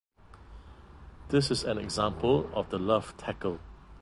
This is an example of the Luff tackle.